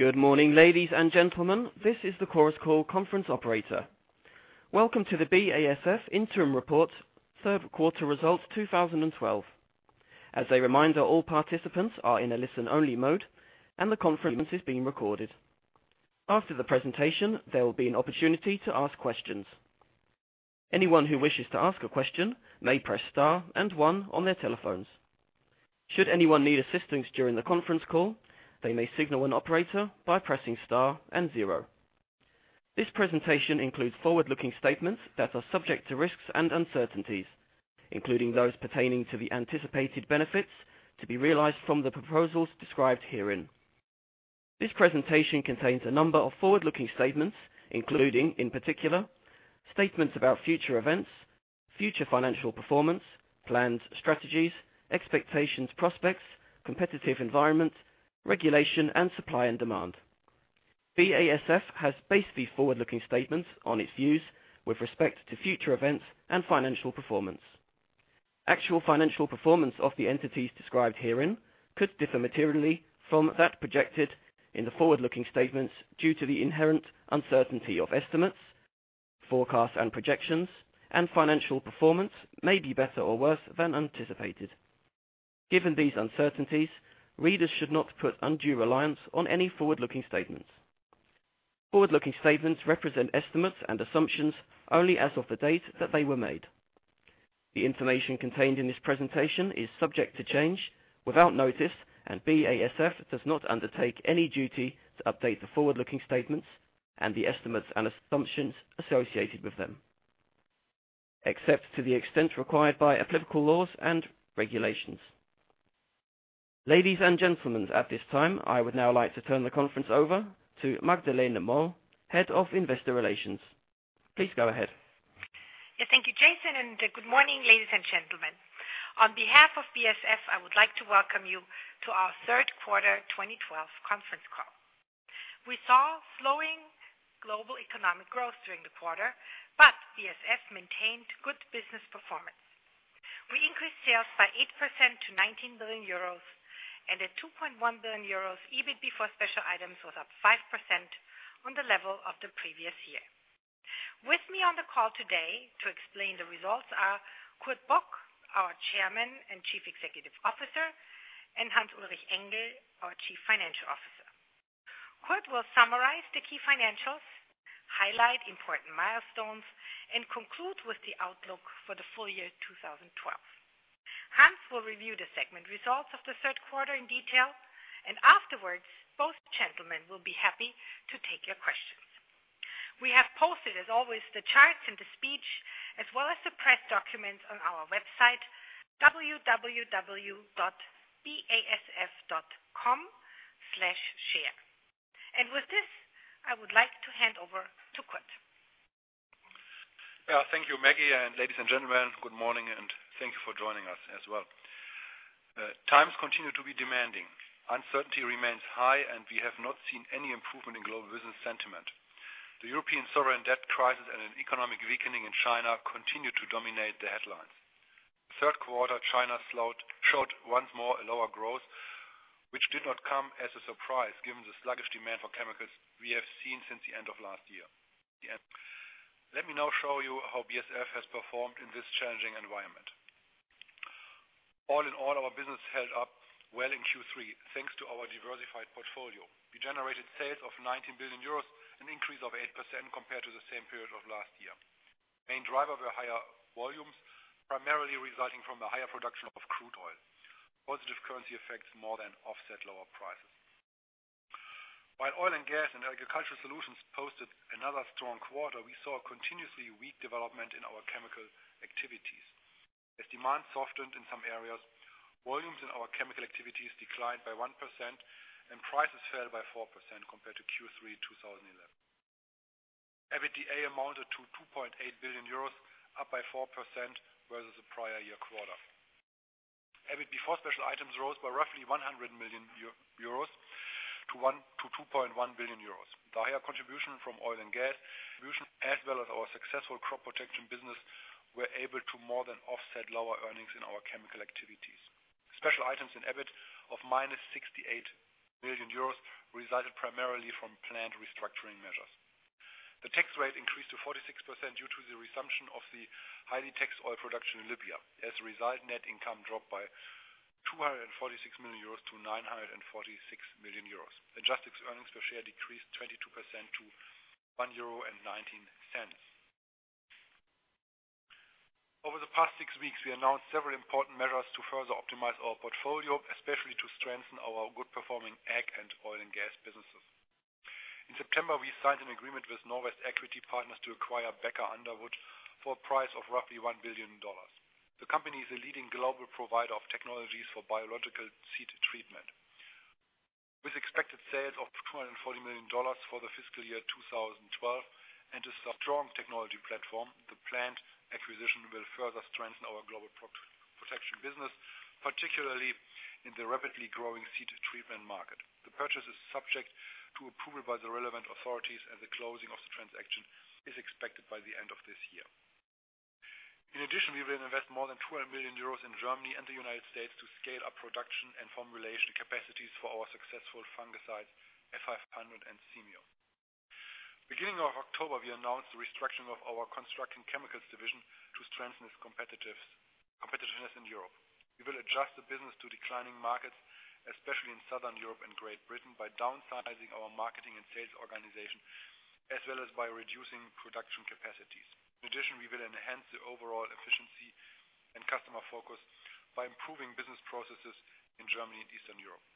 Good morning, ladies and gentlemen. This is the Chorus Call conference operator. Welcome to the BASF Interim report Q3 results 2012. As a reminder, all participants are in a listen-only mode and the conference is being recorded. After the presentation, there will be an opportunity to ask questions. Anyone who wishes to ask a question may press * and one on their telephones. Should anyone need assistance during the conference call, they may signal an operator by pressing star and zero. This presentation includes forward-looking statements that are subject to risks and uncertainties, including those pertaining to the anticipated benefits to be realized from the proposals described herein. This presentation contains a number of forward-looking statements, including, in particular, statements about future events, future financial performance, plans, strategies, expectations, prospects, competitive environment, regulation, and supply and demand. BASF has based these forward-looking statements on its views with respect to future events and financial performance. Actual financial performance of the entities described herein could differ materially from that projected in the forward-looking statements due to the inherent uncertainty of estimates, forecasts, and projections, and financial performance may be better or worse than anticipated. Given these uncertainties, readers should not put undue reliance on any forward-looking statements. Forward-looking statements represent estimates and assumptions only as of the date that they were made. The information contained in this presentation is subject to change without notice, and BASF does not undertake any duty to update the forward-looking statements and the estimates and assumptions associated with them, except to the extent required by applicable laws and regulations. Ladies and gentlemen, at this time, I would now like to turn the conference over to Magdalena Moll, Head of Investor Relations. Please go ahead. Yes, thank you, Jason, and good morning, ladies and gentlemen. On behalf of BASF, I would like to welcome you to our Q3 2012 conference call. We saw slowing global economic growth during the quarter, but BASF maintained good business performance. We increased sales by 8% to 19 billion euros and at 2.1 billion euros, EBIT before special items was up 5% on the level of the previous year. With me on the call today to explain the results are Kurt Bock, our Chairman and Chief Executive Officer, and Hans-Ulrich Engel, our Chief Financial Officer. Kurt will summarize the key financials, highlight important milestones, and conclude with the outlook for the full year 2012. Hans will review the segment results of the Q3 in detail, and afterwards, both gentlemen will be happy to take your questions. We have posted, as always, the charts and the speech as well as the press documents on our website, www.basf.com/share. With this, I would like to hand over to Kurt. Yeah, thank you, Maggie, and ladies and gentlemen, good morning, and thank you for joining us as well. Times continue to be demanding. Uncertainty remains high, and we have not seen any improvement in global business sentiment. The European sovereign debt crisis and an economic weakening in China continue to dominate the headlines. Q3, China showed once more a lower growth, which did not come as a surprise given the sluggish demand for chemicals we have seen since the end of last year. Let me now show you how BASF has performed in this challenging environment. All in all, our business held up well in Q3, thanks to our diversified portfolio. We generated sales of 19 billion euros, an increase of 8% compared to the same period of last year. Main driver were higher volumes, primarily resulting from the higher production of crude oil. Positive currency effects more than offset lower prices. While Oil and Gas and Agricultural Solutions posted another strong quarter, we saw a continuously weak development in our chemical activities. As demand softened in some areas, volumes in our chemical activities declined by 1% and prices fell by 4% compared to Q3 2011. EBITDA amounted to 2.8 billion euros, up by 4% versus the prior year quarter. EBIT before special items rose by roughly 100 million euros to 2.1 billion euros. The higher contribution from Oil and Gas as well as our successful crop protection business were able to more than offset lower earnings in our chemical activities. Special items in EBIT of -68 million euros resulted primarily from planned restructuring measures. The tax rate increased to 46% due to the resumption of the highly taxed oil production in Libya. As a result, net income dropped by 246 million-946 million euros. Adjusted earnings per share decreased 22% to 1.19 euro. Over the past 6 weeks, we announced several important measures to further optimize our portfolio, especially to strengthen our good performing Ag and oil and gas businesses. In September, we signed an agreement with Norwest Equity Partners to acquire Becker Underwood for a price of roughly $1 billion. The company is a leading global provider of technologies for biological seed treatment. With expected sales of $240 million for the fiscal year 2012 and a strong technology platform, the planned acquisition will further strengthen our global crop protection business, particularly in the rapidly growing seed treatment market. The purchase is subject to approval by the relevant authorities, and the closing of the transaction is expected by the end of this year. In addition, we will invest more than 200 million euros in Germany and the United States to scale up production and formulation capacities for our successful fungicides, F 500 and Xemium. Beginning of October, we announced the restructuring of our construction chemicals division to strengthen its competitiveness in Europe. We will adjust the business to declining markets, especially in Southern Europe and Great Britain, by downsizing our marketing and sales organization, as well as by reducing production capacities. In addition, we will enhance the overall efficiency and customer focus by improving business processes in Germany and Eastern Europe.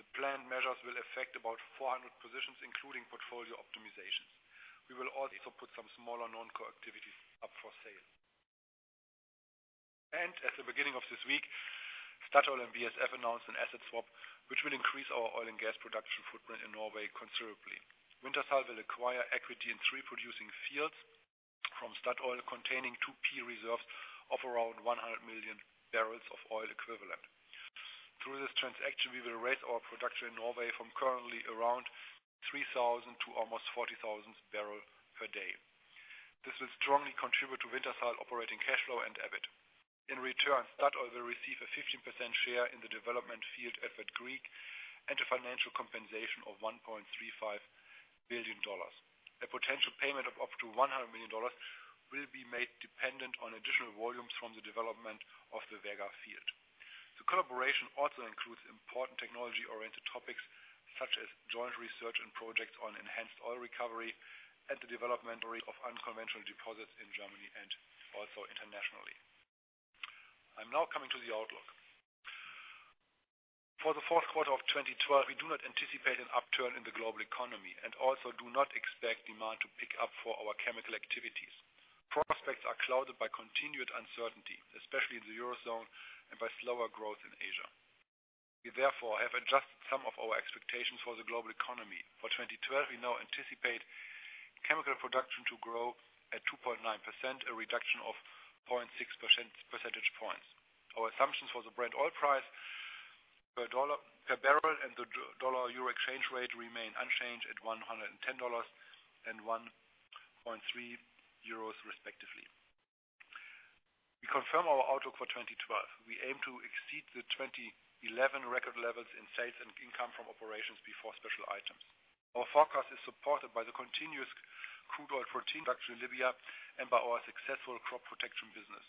The planned measures will affect about 400 positions, including portfolio optimizations. We will also put some smaller non-core activities up for sale. At the beginning of this week, Statoil and BASF announced an asset swap, which will increase our oil and gas production footprint in Norway considerably. Wintershall will acquire equity in 3 producing fields from Statoil, containing two key reserves of around 100 million barrels of oil equivalent. Through this transaction, we will raise our production in Norway from currently around 3,000 to almost 40,000 barrels per day. This will strongly contribute to Wintershall operating cash flow and EBIT. In return, Statoil will receive a 15% share in the development field Brage and a financial compensation of $1.35 billion. A potential payment of up to $100 million will be made dependent on additional volumes from the development of the Vega field. The collaboration also includes important technology-oriented topics such as joint research and projects on enhanced oil recovery and the development of unconventional deposits in Germany and also internationally. I'm now coming to the outlook. For the Q4 of 2012, we do not anticipate an upturn in the global economy and also do not expect demand to pick up for our chemical activities. Prospects are clouded by continued uncertainty, especially in the Eurozone and by slower growth in Asia. We therefore have adjusted some of our expectations for the global economy. For 2012, we now anticipate chemical production to grow at 2.9%, a reduction of 0.6 percentage points. Our assumptions for the Brent oil price per barrel and the dollar euro exchange rate remain unchanged at $110 and 1.3 euros, respectively. We confirm our outlook for 2012. We aim to exceed the 2011 record levels in sales and income from operations before special items. Our forecast is supported by the continuous crude oil production in Libya and by our successful crop protection business.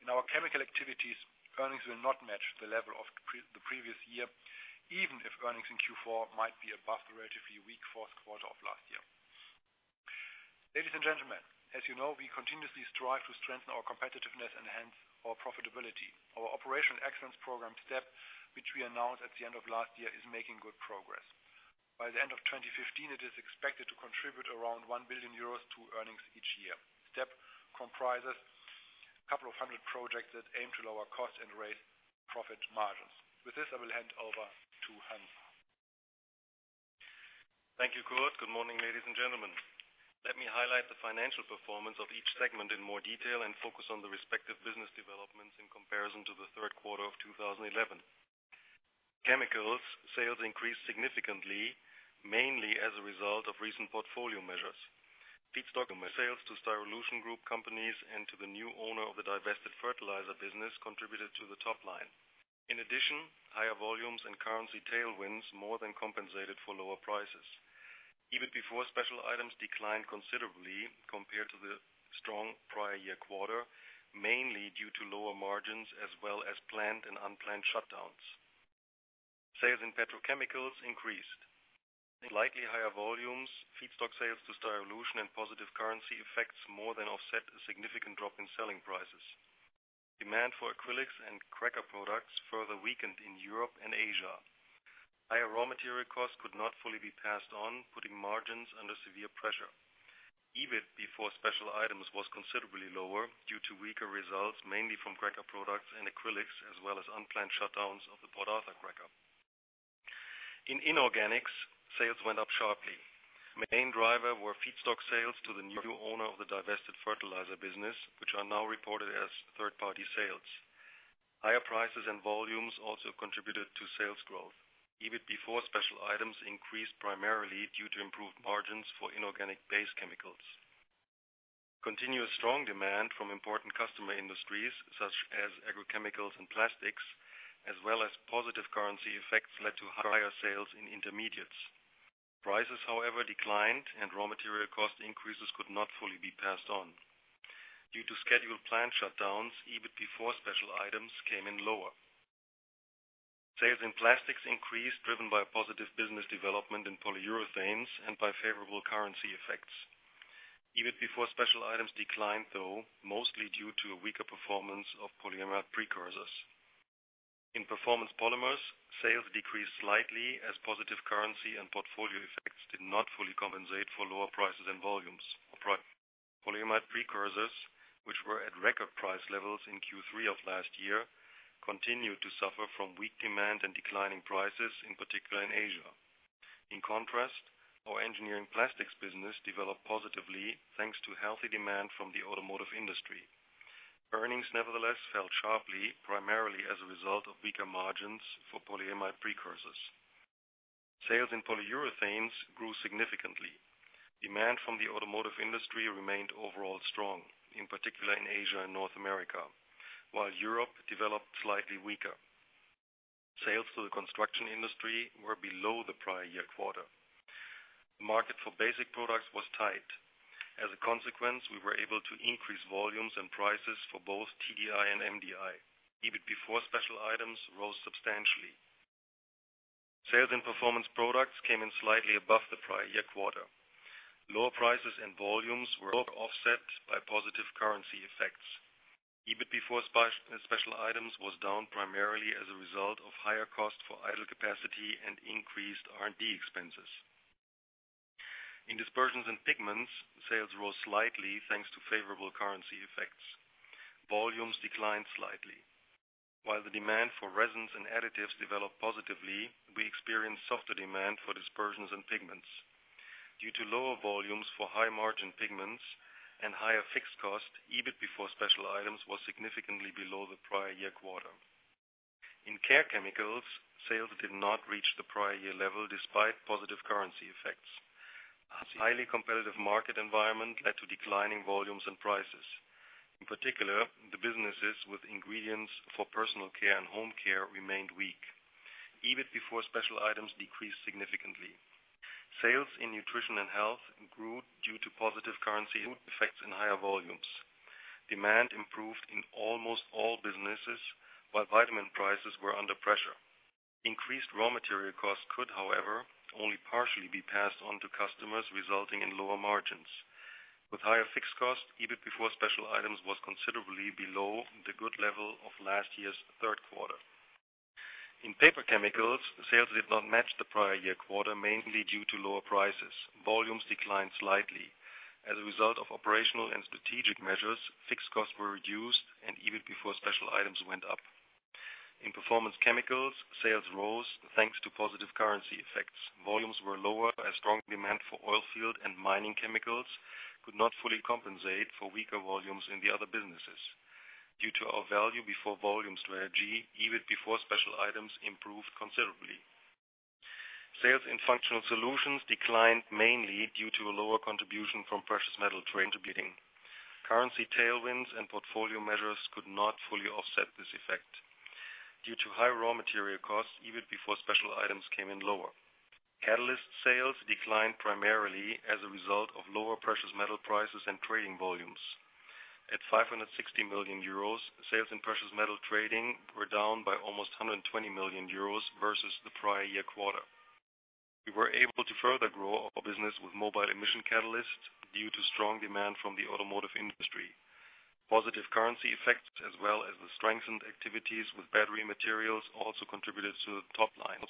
In our chemical activities, earnings will not match the level of the previous year, even if earnings in Q4 might be above the relatively weak Q4 of last year. Ladies and gentlemen, as you know, we continuously strive to strengthen our competitiveness and enhance our profitability. Our operational excellence program STEP, which we announced at the end of last year, is making good progress. By the end of 2015, it is expected to contribute around 1 billion euros to earnings each year. STEP comprises a couple of hundred projects that aim to lower costs and raise profit margins. With this, I will hand over to Hans. Thank you, Kurt. Good morning, ladies and gentlemen. Let me highlight the financial performance of each segment in more detail and focus on the respective business developments in comparison to the Q3 of 2011. Chemicals sales increased significantly, mainly as a result of recent portfolio measures. Feedstock sales to Styrolution Group companies and to the new owner of the divested fertilizer business contributed to the top line. In addition, higher volumes and currency tailwinds more than compensated for lower prices. EBIT before special items declined considerably compared to the strong prior year quarter, mainly due to lower margins as well as planned and unplanned shutdowns. Sales in petrochemicals increased. Slightly higher volumes, feedstock sales to Styrolution and positive currency effects more than offset a significant drop in selling prices. Demand for acrylics and cracker products further weakened in Europe and Asia. Higher raw material costs could not fully be passed on, putting margins under severe pressure. EBIT before special items was considerably lower due to weaker results, mainly from cracker products and acrylics, as well as unplanned shutdowns of the Port Arthur cracker. In inorganics, sales went up sharply. Main driver were feedstock sales to the new owner of the divested fertilizer business, which are now reported as third-party sales. Higher prices and volumes also contributed to sales growth. EBIT before special items increased primarily due to improved margins for inorganic base chemicals. Continuous strong demand from important customer industries such as agrochemicals and plastics, as well as positive currency effects led to higher sales in intermediates. Prices, however, declined and raw material cost increases could not fully be passed on. Due to scheduled plant shutdowns, EBIT before special items came in lower. Sales in plastics increased, driven by a positive business development in polyurethanes and by favorable currency effects. EBIT before special items declined, though, mostly due to a weaker performance of polyamide precursors. In performance polymers, sales decreased slightly as positive currency and portfolio effects did not fully compensate for lower prices and volumes. Polyamide precursors, which were at record price levels in Q3 of last year, continued to suffer from weak demand and declining prices, in particular in Asia. In contrast, our engineering plastics business developed positively thanks to healthy demand from the automotive industry. Earnings, nevertheless, fell sharply, primarily as a result of weaker margins for polyamide precursors. Sales in polyurethanes grew significantly. Demand from the automotive industry remained overall strong, in particular in Asia and North America, while Europe developed slightly weaker. Sales to the construction industry were below the prior year quarter. Market for basic products was tight. As a consequence, we were able to increase volumes and prices for both TDI and MDI. EBIT before special items rose substantially. In Performance Products, sales came in slightly above the prior-year quarter. Lower prices and volumes were offset by positive currency effects. EBIT before special items was down primarily as a result of higher cost for idle capacity and increased R&D expenses. In Dispersions & Pigments, sales rose slightly thanks to favorable currency effects. Volumes declined slightly. While the demand for resins and additives developed positively, we experienced softer demand for dispersions and pigments. Due to lower volumes for high-margin pigments and higher fixed cost, EBIT before special items was significantly below the prior-year quarter. In Care Chemicals, sales did not reach the prior-year level despite positive currency effects. A highly competitive market environment led to declining volumes and prices. In particular, the businesses with ingredients for personal care and home care remained weak. EBIT before special items decreased significantly. Sales in nutrition and health grew due to positive currency effects and higher volumes. Demand improved in almost all businesses while vitamin prices were under pressure. Increased raw material costs could, however, only partially be passed on to customers, resulting in lower margins. With higher fixed costs, EBIT before special items was considerably below the good level of last year's Q3. In paper chemicals, sales did not match the prior year quarter, mainly due to lower prices. Volumes declined slightly. As a result of operational and strategic measures, fixed costs were reduced and EBIT before special items went up. In Performance Chemicals, sales rose thanks to positive currency effects. Volumes were lower as strong demand for oil field and mining chemicals could not fully compensate for weaker volumes in the other businesses. Due to our value before volume strategy, EBIT before special items improved considerably. Sales in functional solutions declined mainly due to a lower contribution from precious metal trading. Currency tailwinds and portfolio measures could not fully offset this effect. Due to high raw material costs, EBIT before special items came in lower. Catalyst sales declined primarily as a result of lower precious metal prices and trading volumes. At 560 million euros, sales in precious metal trading were down by almost 120 million euros versus the prior year quarter. We were able to further grow our business with mobile emission catalysts due to strong demand from the automotive industry. Positive currency effects as well as the strengthened activities with battery materials also contributed to the top line.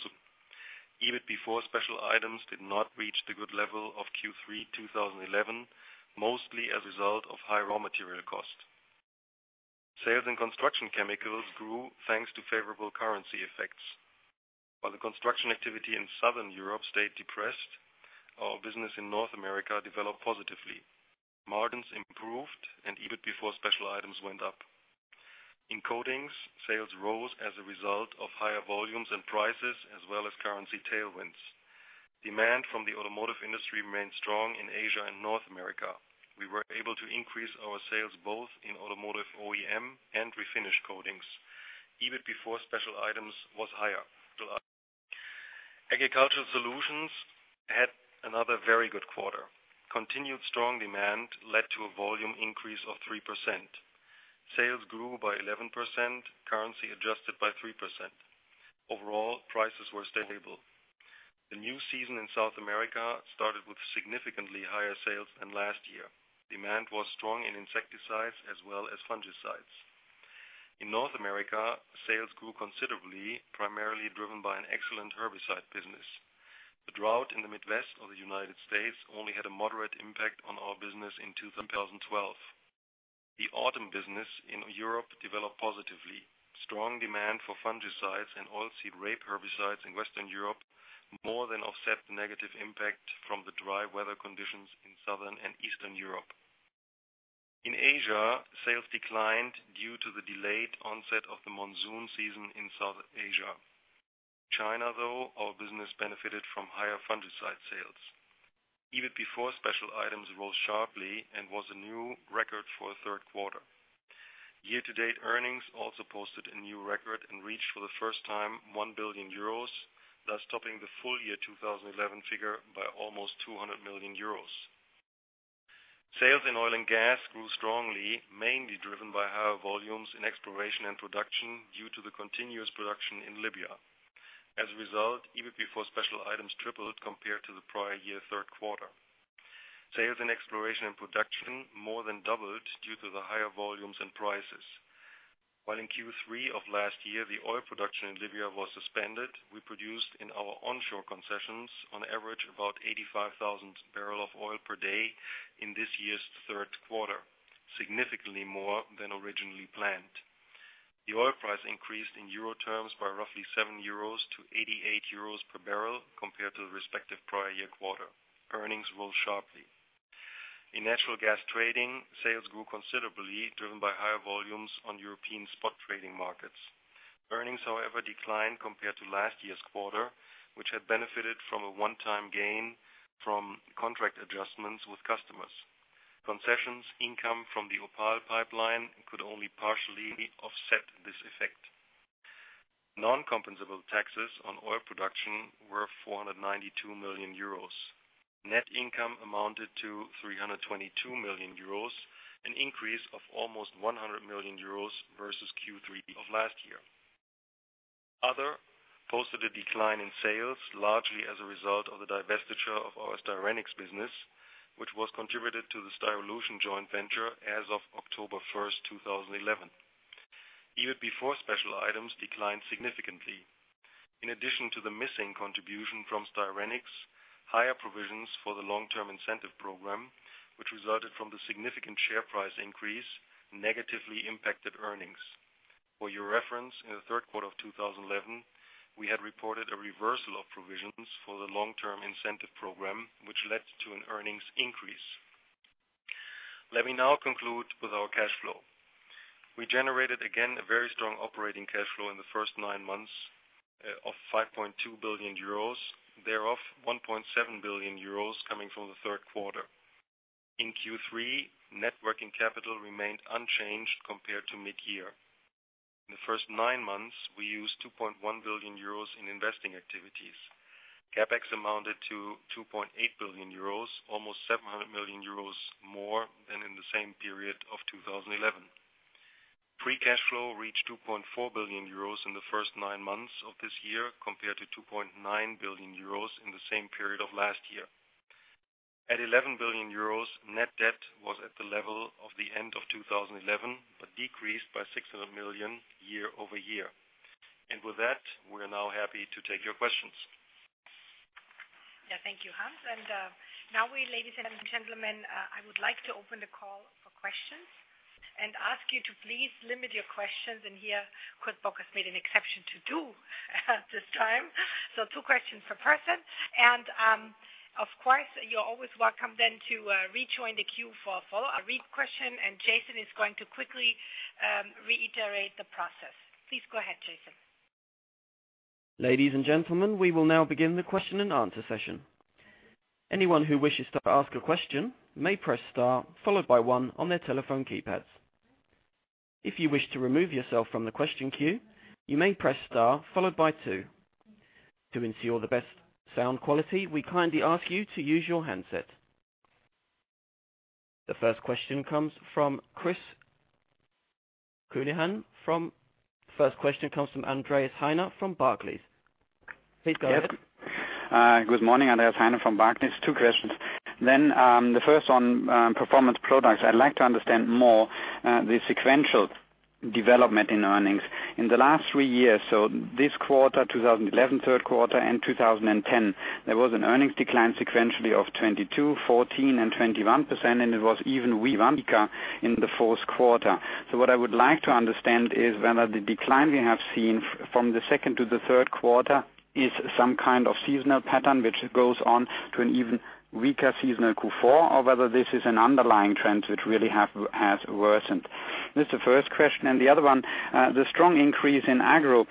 EBIT before special items did not reach the good level of Q3 2011, mostly as a result of high raw material cost. Sales in Construction Chemicals grew thanks to favorable currency effects. While the construction activity in Southern Europe stayed depressed, our business in North America developed positively. Margins improved and EBIT before special items went up. In Coatings, sales rose as a result of higher volumes and prices as well as currency tailwinds. Demand from the automotive industry remained strong in Asia and North America. We were able to increase our sales both in automotive OEM and refinish coatings. EBIT before special items was higher. Agricultural Solutions had another very good quarter. Continued strong demand led to a volume increase of 3%. Sales grew by 11%, currency adjusted by 3%. Overall, prices were stable. The new season in South America started with significantly higher sales than last year. Demand was strong in insecticides as well as fungicides. In North America, sales grew considerably, primarily driven by an excellent herbicide business. The drought in the Midwest of the United States only had a moderate impact on our business in 2012. The autumn business in Europe developed positively. Strong demand for fungicides and oilseed rape herbicides in Western Europe more than offset the negative impact from the dry weather conditions in Southern and Eastern Europe. In Asia, sales declined due to the delayed onset of the monsoon season in South Asia. In China, though, our business benefited from higher fungicide sales. EBIT before special items rose sharply and was a new record for the Q3. Year-to-date earnings also posted a new record and reached for the first time 1 billion euros, thus topping the full year 2011 figure by almost 200 million euros. Sales in Oil and Gas grew strongly, mainly driven by higher volumes in exploration and production due to the continuous production in Libya. As a result, EBIT before special items tripled compared to the prior year Q3. Sales in exploration and production more than doubled due to the higher volumes and prices. While in Q3 of last year, the oil production in Libya was suspended, we produced in our onshore concessions on average about 85,000 barrels of oil per day in this year's Q3, significantly more than originally planned. The oil price increased in euro terms by roughly 7 euros to 88 euros per barrel compared to the respective prior year quarter. Earnings rose sharply. In natural gas trading, sales grew considerably driven by higher volumes on European spot trading markets. Earnings, however, declined compared to last year's quarter, which had benefited from a one-time gain from contract adjustments with customers. Concessions income from the OPAL pipeline could only partially offset this effect. Non-compensable taxes on oil production were 492 million euros. Net income amounted to 322 million euros, an increase of almost 100 million euros versus Q3 of last year. Other posted a decline in sales, largely as a result of the divestiture of our Styrenics business, which was contributed to the Styrolution joint venture as of October 1, 2011. EBIT even before special items declined significantly. In addition to the missing contribution from Styrenics, higher provisions for the long-term incentive program, which resulted from the significant share price increase, negatively impacted earnings. For your reference, in the Q3 of 2011, we had reported a reversal of provisions for the long-term incentive program, which led to an earnings increase. Let me now conclude with our cash flow. We generated, again, a very strong operating cash flow in the first nine months of 5.2 billion euros, thereof, 1.7 billion euros coming from the Q3. In Q3, net working capital remained unchanged compared to mid-year. In the first nine months, we used 2.1 billion euros in investing activities. CapEx amounted to 2.8 billion euros, almost 700 million euros more than in the same period of 2011. Free cash flow reached 2.4 billion euros in the first nine months of this year, compared to 2.9 billion euros in the same period of last year. At 11 billion euros, net debt was at the level of the end of 2011, but decreased by 600 million year-over-year. With that, we are now happy to take your questions. Yeah, thank you, Hans. Now we, ladies and gentlemen, I would like to open the call for questions and ask you to please limit your questions in here, because Bock has made an exception to two this time, so two questions per person. Of course, you're always welcome then to rejoin the queue for a follow-up question, and Jason is going to quickly reiterate the process. Please go ahead, Jason. Ladies and gentlemen, we will now begin the question and answer session. Anyone who wishes to ask a question may press * followed by one on their telephone keypads. If you wish to remove yourself from the question queue, you may press* followed by two. To ensure the best sound quality, we kindly ask you to use your handset. The first question comes from Andreas Heine from Barclays. Please go ahead. Yes. Good morning. Andreas Heine from Barclays. Two questions. The first on Performance Products. I'd like to understand more the sequential development in earnings. In the last three years, so this quarter, 2011 Q3, and 2010, there was an earnings decline sequentially of 22%, 14%, and 21%, and it was even weaker in the Q4. What I would like to understand is whether the decline we have seen from the second to the Q3 is some kind of seasonal pattern which goes on to an even weaker seasonal Q4, or whether this is an underlying trend which really has worsened. That's the first question. The other one, the strong increase in Agro,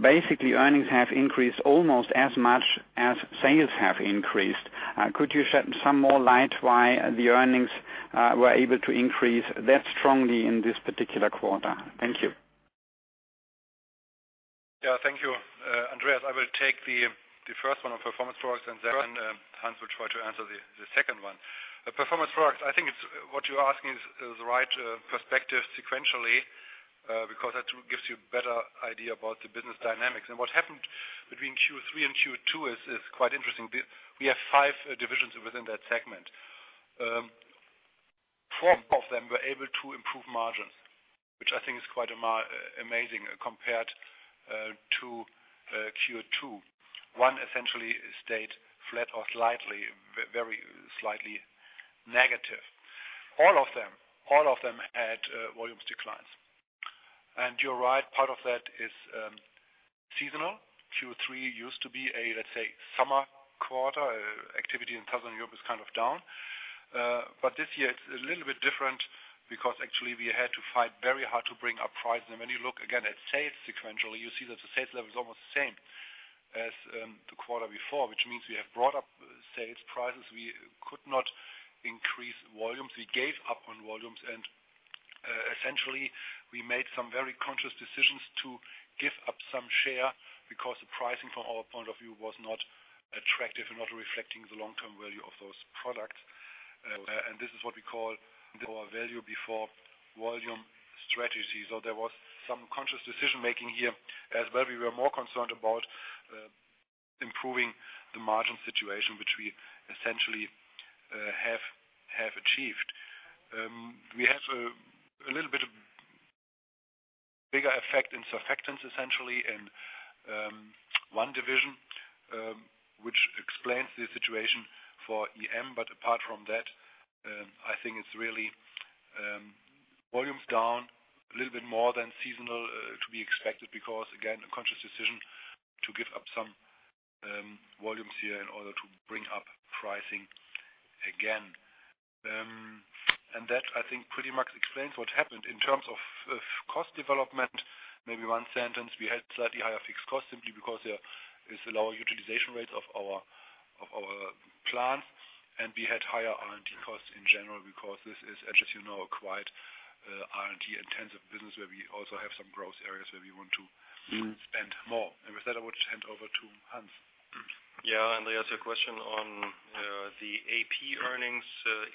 basically earnings have increased almost as much as sales have increased. Could you shed some more light why the earnings were able to increase that strongly in this particular quarter? Thank you. Yeah. Thank you, Andreas. I will take the first one on Performance Products, and then Hans will try to answer the second one. The Performance Products, I think it's what you're asking is the right perspective sequentially, because that gives you a better idea about the business dynamics. What happened between Q3 and Q2 is quite interesting. We have five divisions within that segment. Four of them were able to improve margins, which I think is quite amazing compared to Q2. One essentially stayed flat or slightly, very slightly negative. All of them had volumes declines. You're right, part of that is seasonal. Q3 used to be, let's say, a summer quarter. Activity in Southern Europe is kind of down. This year it's a little bit different because actually we had to fight very hard to bring up prices. When you look again at sales sequentially, you see that the sales level is almost the same as the quarter before, which means we have brought up sales prices. We could not increase volumes. We gave up on volumes, and essentially we made some very conscious decisions to give up some share because the pricing from our point of view was not attractive and not reflecting the long-term value of those products. This is what we call our value before volume strategy. There was some conscious decision-making here as well. We were more concerned about improving the margin situation, which we essentially have achieved. We have a little bit of bigger effect in surfactants, essentially, in one division, which explains the situation for EM. Apart from that, I think it's really Volumes down a little bit more than seasonal, to be expected because again, a conscious decision to give up some volumes here in order to bring up pricing again. That, I think, pretty much explains what happened. In terms of cost development, maybe one sentence. We had slightly higher fixed costs simply because there is a lower utilization rate of our plant, and we had higher R&D costs in general because this is, as you know, a quite R&D-intensive business where we also have some growth areas where we want to spend more. With that, I would hand over to Hans. Yeah, there's a question on the Ag earnings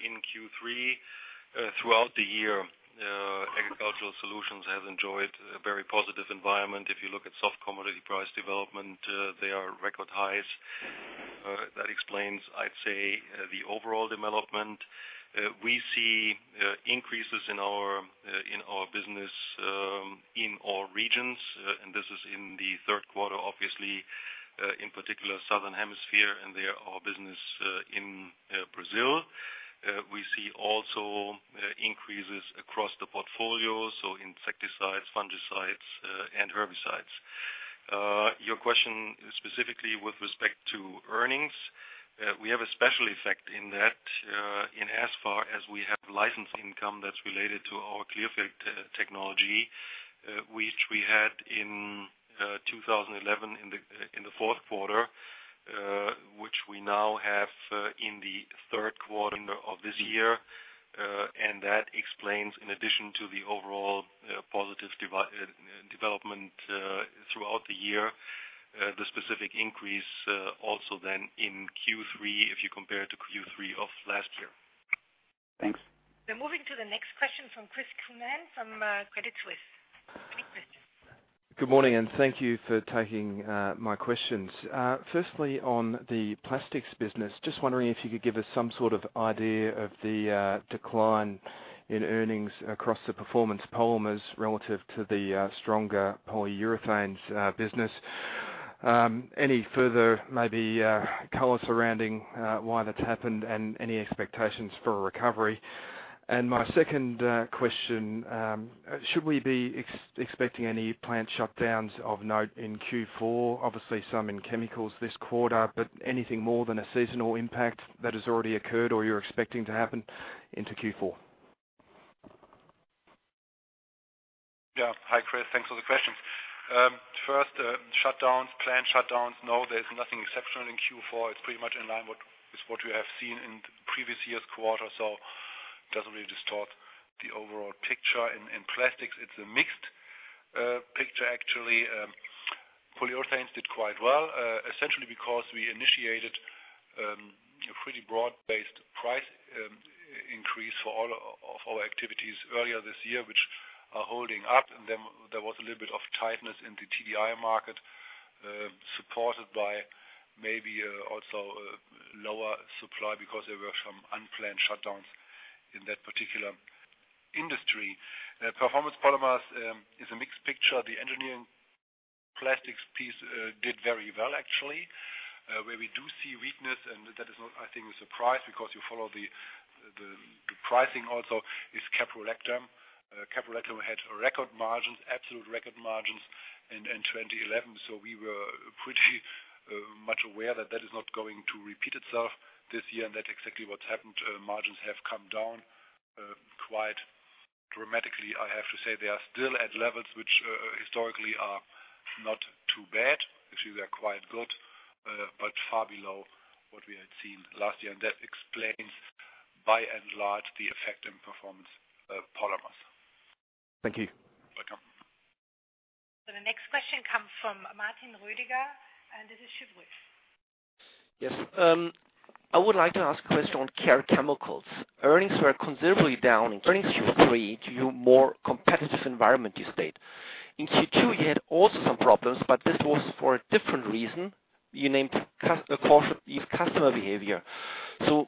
in Q3. Throughout the year, Agricultural Solutions has enjoyed a very positive environment. If you look at soft commodity price development, they are record highs. That explains, I'd say, the overall development. We see increases in our business in all regions. This is in the Q3, obviously, in particular Southern Hemisphere and our business in Brazil. We see also increases across the portfolio, so insecticides, fungicides, and herbicides. Your question specifically with respect to earnings, we have a special effect in that, in as far as we have license income that's related to our Clearfield technology, which we had in 2011 in the Q4, which we now have in the Q3 of this year. That explains, in addition to the overall positive development throughout the year, the specific increase also then in Q3 if you compare it to Q3 of last year. Thanks. We're moving to the next question from Chris Counihan from Credit Suisse. Chris. Good morning, and thank you for taking my questions. Firstly, on the plastics business, just wondering if you could give us some sort of idea of the decline in earnings across the performance polymers relative to the stronger polyurethanes business. Any further maybe color surrounding why that's happened and any expectations for a recovery? My second question, should we be expecting any plant shutdowns of note in Q4? Obviously some in chemicals this quarter, but anything more than a seasonal impact that has already occurred or you're expecting to happen into Q4? Yeah. Hi, Chris. Thanks for the questions. First, shutdowns, plant shutdowns. No, there's nothing exceptional in Q4. It's pretty much in line with what we have seen in previous year's quarters, so doesn't really distort the overall picture. In plastics, it's a mixed picture actually. Polyurethanes did quite well, essentially because we initiated a pretty broad-based price increase for all of our activities earlier this year, which are holding up. Then there was a little bit of tightness in the TDI market, supported by maybe also lower supply because there were some unplanned shutdowns in that particular industry. Performance polymers is a mixed picture. The engineering plastics piece did very well actually. Where we do see weakness, and that is not, I think, a surprise because you follow the pricing also, is Caprolactam. Caprolactam had record margins, absolute record margins in 2011. We were pretty much aware that is not going to repeat itself this year, and that's exactly what's happened. Margins have come down quite dramatically. I have to say they are still at levels which historically are not too bad. Actually, they are quite good but far below what we had seen last year. That explains by and large the effect in Performance Polymers. Thank you. Welcome. The next question comes from Martin Roediger, and this is Cheuvreux. Yes. I would like to ask a question on Care Chemicals. Earnings were considerably down in Q3 due to more competitive environment, you state. In Q2, you had also some problems, but this was for a different reason. You named customer caution as customer behavior.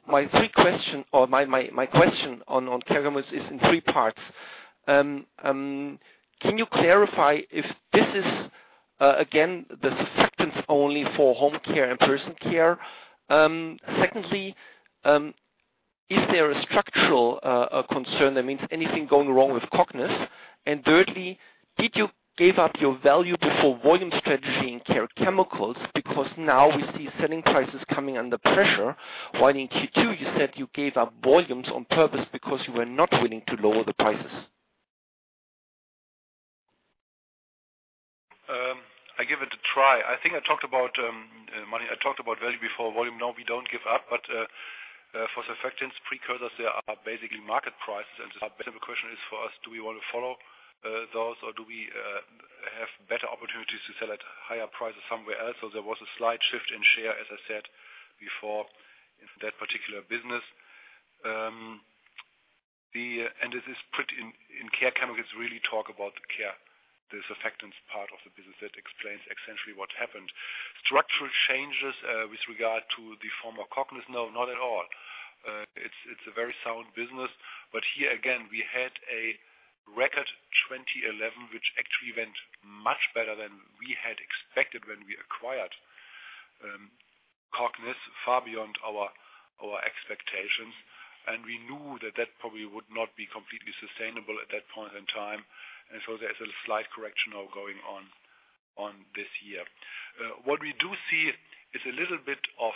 My three questions or my question on Care Chemicals is in three parts. Can you clarify if this is again the surfactants only for home care and personal care? Secondly, is there a structural concern? That means anything going wrong with Cognis. And thirdly, did you give up your value over volume strategy in Care Chemicals? Because now we see selling prices coming under pressure, while in Q2 you said you gave up volumes on purpose because you were not willing to lower the prices. I give it a try. I think I talked about money. I talked about value before volume. No, we don't give up, but for surfactants precursors, there are basically market prices. The basic question is for us, do we want to follow those or do we have better opportunities to sell at higher prices somewhere else? There was a slight shift in share, as I said before, in that particular business. This is put in Care Chemicals, really talk about the care, the surfactants part of the business. That explains essentially what happened. Structural changes with regard to the former Cognis? No, not at all. It's a very sound business. Here again, we had a record 2011, which actually went much better than we had expected when we acquired Cognis far beyond our expectations, and we knew that that probably would not be completely sustainable at that point in time. There's a slight correction now going on in this year. What we do see is a little bit of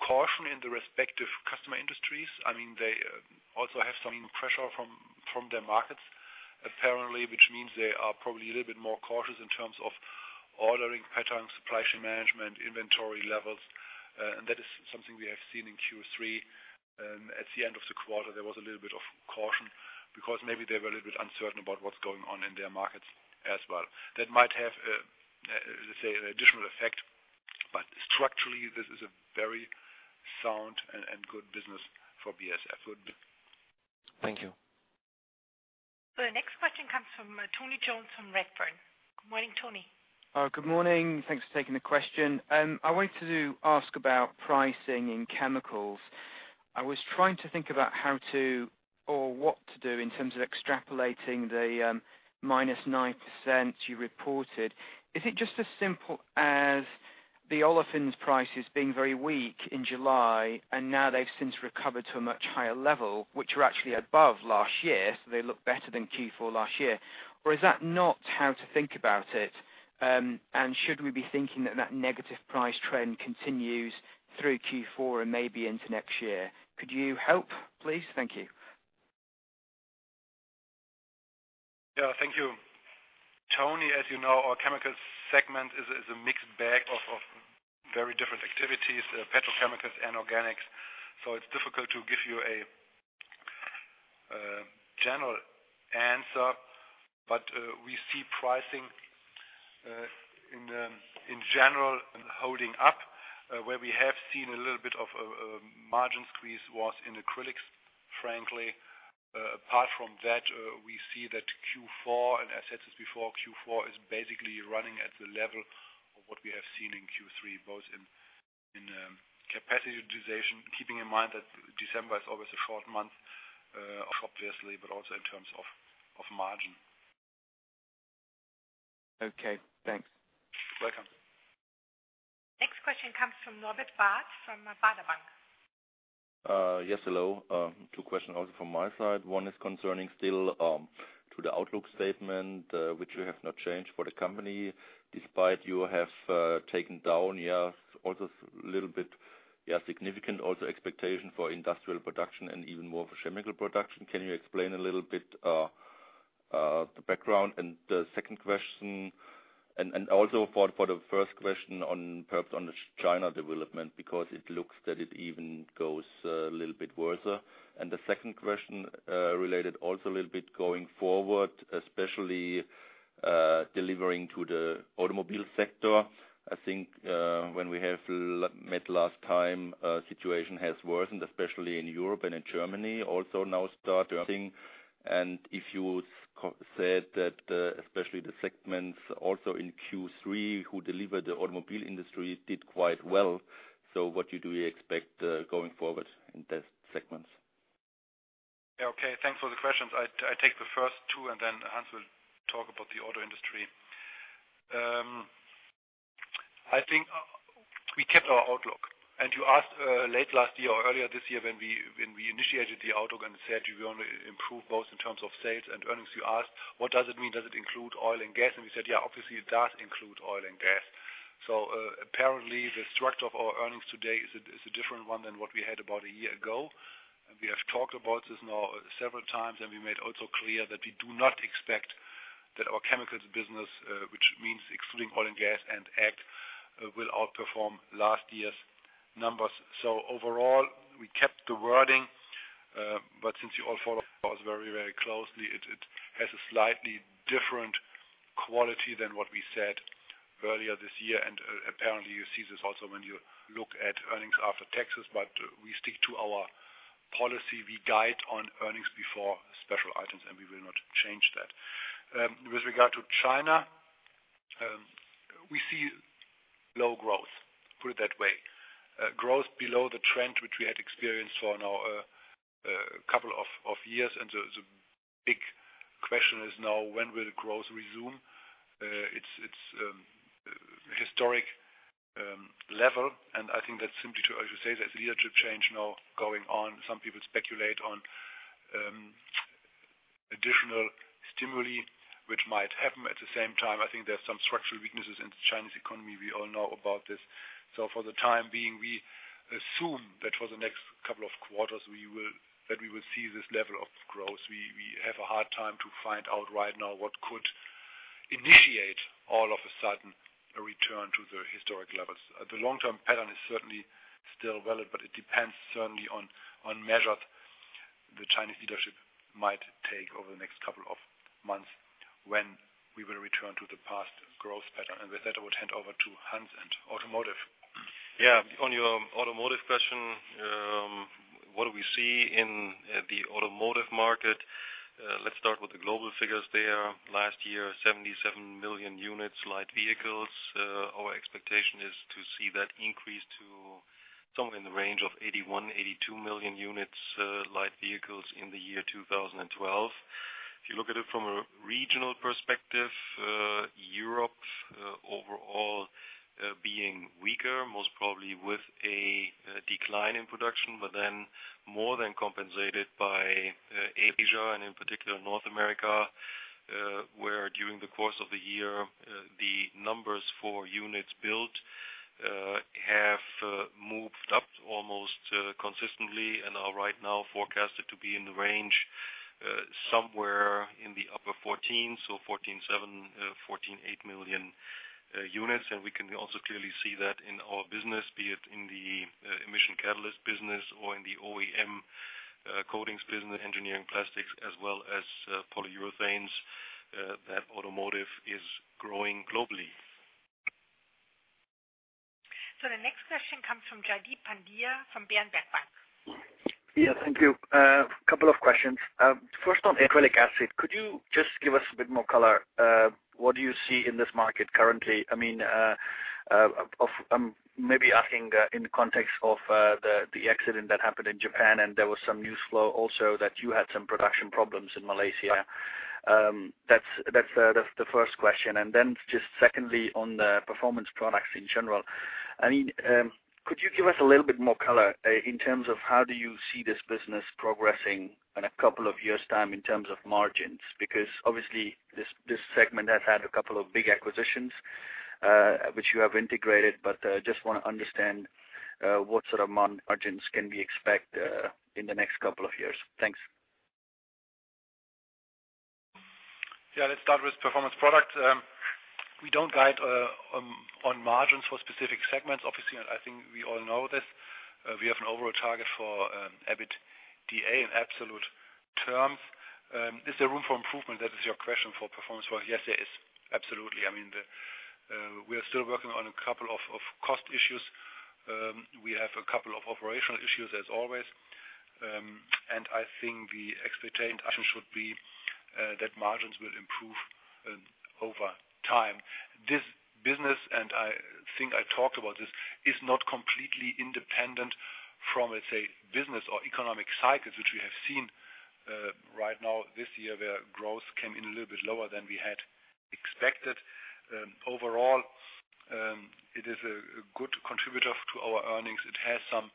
caution in the respective customer industries. I mean, they also have some pressure from their markets, apparently, which means they are probably a little bit more cautious in terms of ordering patterns, supply chain management, inventory levels. That is something we have seen in Q3. At the end of the quarter, there was a little bit of caution because maybe they were a little bit uncertain about what's going on in their markets as well. That might have, let's say, an additional effect, but structurally, this is a very sound and good business for BASF. Thank you. The next question comes from Tony Jones from Redburn. Good morning, Tony. Good morning. Thanks for taking the question. I wanted to ask about pricing in chemicals. I was trying to think about how to or what to do in terms of extrapolating the, -9% you reported. Is it just as simple as the olefins prices being very weak in July, and now they've since recovered to a much higher level, which are actually above last year, so they look better than Q4 last year? Or is that not how to think about it? And should we be thinking that negative price trend continues through Q4 and maybe into next year? Could you help, please? Thank you. Yeah. Thank you. Tony, as you know, our chemical segment is a mixed bag of very different activities, petrochemicals and organics, so it's difficult to give you a general answer. We see pricing in general holding up. Where we have seen a little bit of a margin squeeze was in acrylics, frankly. Apart from that, we see that Q4, and I said this before, Q4 is basically running at the level of what we have seen in Q3, both in capacity utilization, keeping in mind that December is always a short month, obviously, but also in terms of margin. Okay, thanks. Welcome. Next question comes from Norbert Barth from Baader Bank. Yes, hello. Two questions also from my side. One is concerning still to the outlook statement, which you have not changed for the company, despite you have taken down also little bit significant also expectation for industrial production and even more for chemical production. Can you explain a little bit the background? Also for the first question on perhaps on the China development, because it looks that it even goes a little bit worse. The second question related also a little bit going forward, especially delivering to the automobile sector. I think when we have met last time situation has worsened, especially in Europe and in Germany, also now starting. If you said that, especially the segments also in Q3 that deliver to the automobile industry did quite well, what do you expect going forward in those segments? Yeah, okay. Thanks for the questions. I take the first two, and then Hans-Ulrich will talk about the auto industry. I think we kept our outlook. You asked late last year or earlier this year when we initiated the outlook and said we want to improve both in terms of sales and earnings, "What does it mean? Does it include oil and gas?" We said, "Yeah, obviously, it does include oil and gas." Apparently the structure of our earnings today is a different one than what we had about a year ago. We have talked about this now several times, and we made also clear that we do not expect that our chemicals business, which means excluding oil and gas and Ag, will outperform last year's numbers. Overall, we kept the wording, but since you all follow us very, very closely, it has a slightly different quality than what we said earlier this year. Apparently you see this also when you look at earnings after taxes. We stick to our policy. We guide on earnings before special items, and we will not change that. With regard to China, we see low growth. Put it that way. Growth below the trend which we had experienced over the last couple of years. The big question is now when will growth resume to its historic level, and I think that's simply. As you say, there's leadership change now going on. Some people speculate on additional stimuli which might happen. At the same time, I think there are some structural weaknesses in the Chinese economy. We all know about this. For the time being, we assume that for the next couple of quarters, we will see this level of growth. We have a hard time to find out right now what could initiate all of a sudden a return to the historic levels. The long-term pattern is certainly still valid, but it depends certainly on measures the Chinese leadership might take over the next couple of months when we will return to the past growth pattern. With that, I would hand over to Hans and automotive. Yeah. On your automotive question, what do we see in the automotive market? Let's start with the global figures there. Last year, 77 million units light vehicles. Our expectation is to see that increase to somewhere in the range of 81 million-82 million units light vehicles in the year 2012. If you look at it from a regional perspective, Europe overall being weaker, most probably with a decline in production, but then more than compensated by Asia and in particular North America, where during the course of the year, the numbers for units built have moved up almost consistently and are right now forecasted to be in the range, somewhere in the upper 14, so 14.7 million-14.8 million units. We can also clearly see that in our business, be it in the emission catalyst business or in the OEM coatings business, engineering plastics as well as polyurethanes, that automotive is growing globally. The next question comes from Jaideep Pandya from Berenberg Bank. Yeah. Thank you. A couple of questions. First on the acrylic acid. Could you just give us a bit more color? What do you see in this market currently? I mean, maybe asking in the context of the accident that happened in Japan, and there was some news flow also that you had some production problems in Malaysia. That's the first question. Then just secondly, on the performance products in general, I mean, could you give us a little bit more color, in terms of how do you see this business progressing in a couple of years time in terms of margins? Because obviously this segment has had a couple of big acquisitions, which you have integrated, but just wanna understand what sort of margins can we expect in the next couple of years. Thanks. Yeah. Let's start with Performance Products. We don't guide on margins for specific segments. Obviously, I think we all know this. We have an overall target for EBITDA in absolute terms. Is there room for improvement? That is your question for Performance Products. Well, yes, there is. Absolutely. I mean, the, we are still working on a couple of cost issues. We have a couple of operational issues as always. I think the expectation should be that margins will improve over time. This business, and I think I talked about this, is not completely independent from, let's say, business or economic cycles, which we have seen right now this year, where growth came in a little bit lower than we had expected. Overall, it is a good contributor to our earnings. It has some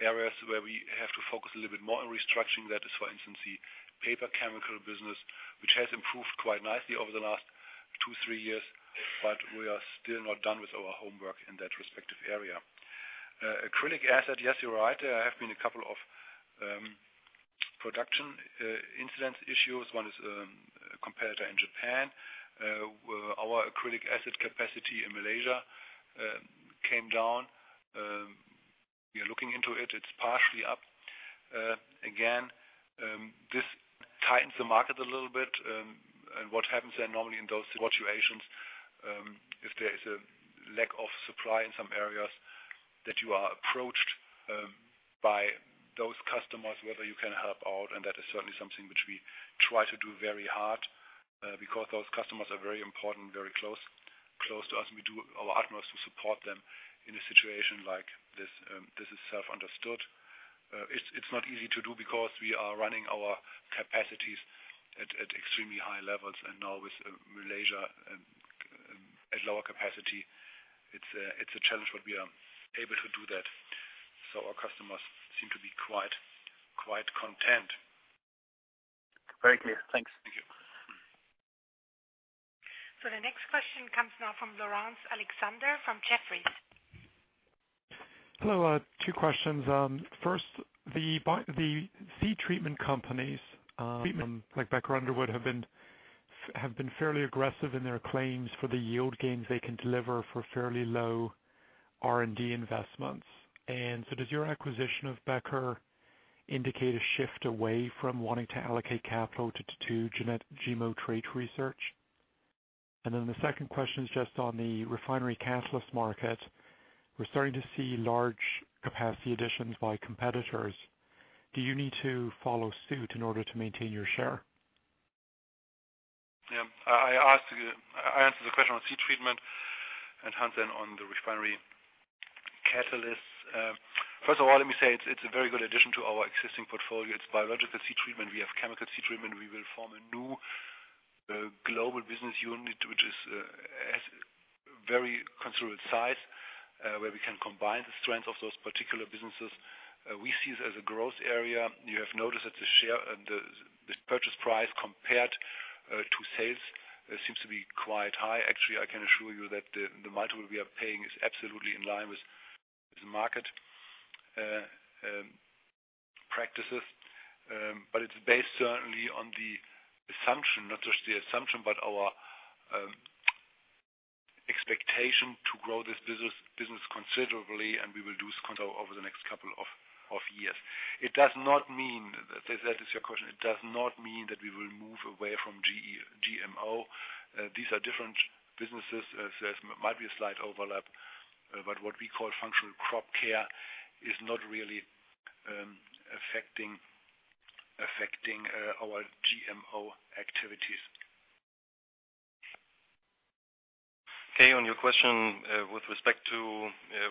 areas where we have to focus a little bit more on restructuring. That is, for instance, the paper chemical business, which has improved quite nicely over the last 2-3 years, but we are still not done with our homework in that respective area. Acrylic acid. Yes, you're right. There have been a couple of production incident issues. One is competitor in Japan. Our acrylic acid capacity in Malaysia came down. We are looking into it. It's partially up. Again, this tightens the market a little bit. What happens then normally in those situations, if there is a lack of supply in some areas, that you are approached by those customers, whether you can help out, and that is certainly something which we try to do very hard, because those customers are very important, very close to us, and we do our utmost to support them in a situation like this. This is self-understood. It's not easy to do because we are running our capacities at extremely high levels. Now with Malaysia at lower capacity, it's a challenge, but we are able to do that. Our customers seem to be quite content. Very clear. Thanks. Thank you. The next question comes now from Laurence Alexander, from Jefferies. Hello. Two questions. First, the seed treatment companies, like Becker Underwood, have been fairly aggressive in their claims for the yield gains they can deliver for fairly low R&D investments. Does your acquisition of Becker indicate a shift away from wanting to allocate capital to GMO trait research? The second question is just on the refinery catalyst market. We're starting to see large capacity additions by competitors. Do you need to follow suit in order to maintain your share? Yeah. I answer the question on seed treatment and then on the refinery catalysts. First of all, let me say it's a very good addition to our existing portfolio. It's biological seed treatment. We have chemical seed treatment. We will form a new global business unit, which has very considerable size, where we can combine the strength of those particular businesses. We see it as a growth area. You have noticed that the purchase price compared to sales seems to be quite high. Actually, I can assure you that the multiple we are paying is absolutely in line with the market practices. It's based certainly on the assumption, not just the assumption, but our expectation to grow this business considerably, and we will do so over the next couple of years. It does not mean, if that is your question, it does not mean that we will move away from GMO. These are different businesses. There might be a slight overlap, but what we call functional crop care is not really affecting our GMO activity. Okay. On your question with respect to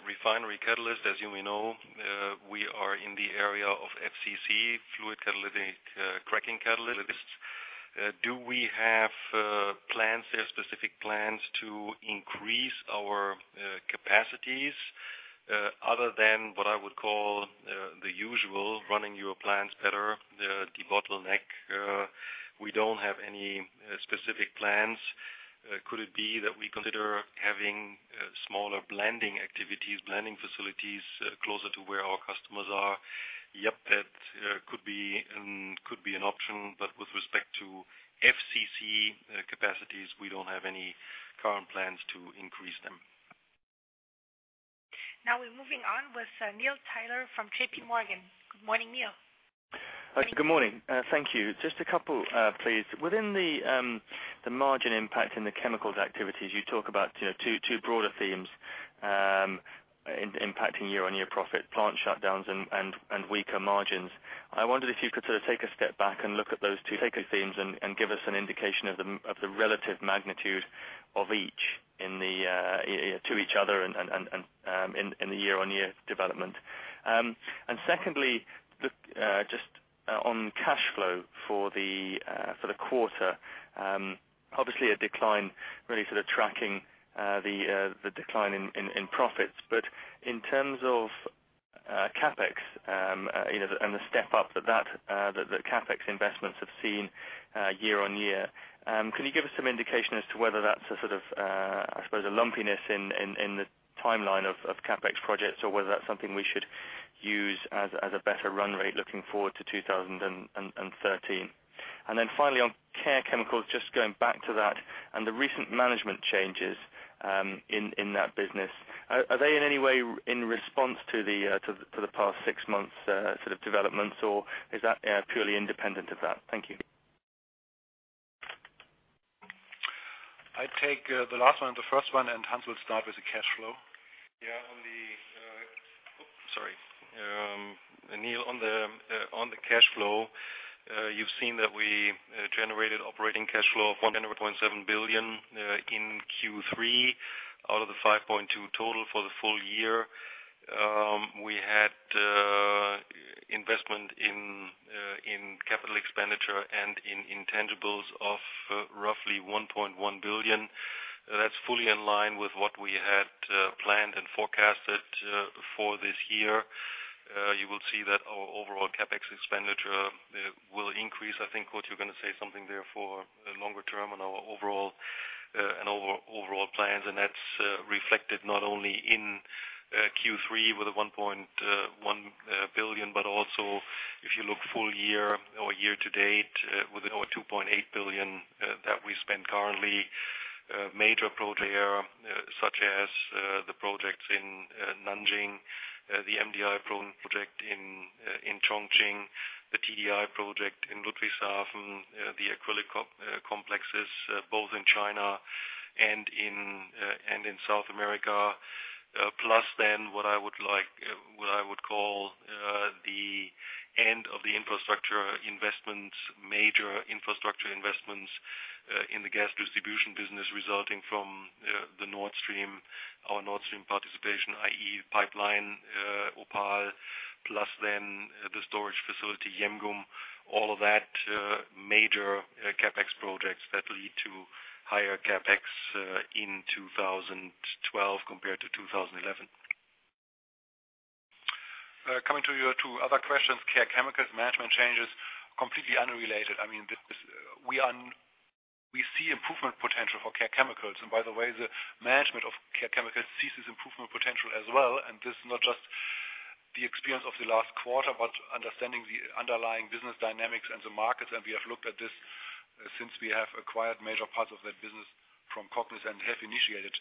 refinery catalyst, as you may know, we are in the area of FCC, fluid catalytic cracking catalysts. Do we have plans, specific plans to increase our capacities other than what I would call the usual, running your plants better, the bottleneck, we don't have any specific plans. Could it be that we consider having smaller blending activities, blending facilities closer to where our customers are? Yep, that could be an option, but with respect to FCC capacities, we don't have any current plans to increase them. Now we're moving on with, Neil Tyler from JP Morgan. Good morning, Neil. Good morning. Thank you. Just a couple, please. Within the margin impact in the chemicals activities, you talk about, you know, two broader themes impacting year-on-year profit, plant shutdowns and weaker margins. I wondered if you could sort of take a step back and look at those two themes and give us an indication of the relative magnitude of each to each other and in the year-on-year development. Secondly, just on cash flow for the quarter, obviously a decline really sort of tracking the decline in profits. In terms of CapEx, you know, and the step up that the CapEx investments have seen year-on-year, can you give us some indication as to whether that's a sort of, I suppose, a lumpiness in the timeline of CapEx projects, or whether that's something we should use as a better run rate looking forward to 2013? Then finally on Care Chemicals, just going back to that and the recent management changes in that business. Are they in any way in response to the past six months sort of developments, or is that purely independent of that? Thank you. I take the last one and the first one, and Hans will start with the cash flow. Neil, on the cash flow, you've seen that we generated operating cash flow of 100.7 billion in Q3 out of the 5.2 total for the full year. We had investment in capital expenditure and in intangibles of roughly 1.1 billion. That's fully in line with what we had planned and forecasted for this year. You will see that our overall CapEx expenditure will increase. I think, Kurt, you're gonna say something there for the longer term on our overall plans, and that's reflected not only in Q3 with the 1.1 billion, but also if you look full year or year to date, with our 2.8 billion that we spent currently, major projects such as the projects in Nanjing, the MDI project in Chongqing, the TDI project in Ludwigshafen, the acrylic complexes, both in China and in South America. Plus then what I would like, what I would call, the end of the infrastructure investments, major infrastructure investments, in the gas distribution business resulting from the Nord Stream, our Nord Stream participation, i.e. pipeline, OPAL, plus then the storage facility, Jemgum, all of that, major CapEx projects that lead to higher CapEx in 2012 compared to 2011. Coming to your two other questions, Care Chemicals management changes, completely unrelated. I mean, we see improvement potential for Care Chemicals. By the way, the management of Care Chemicals sees this improvement potential as well. This is not just the experience of the last quarter, but understanding the underlying business dynamics and the markets. We have looked at this since we have acquired major parts of that business from Cognis, have initiated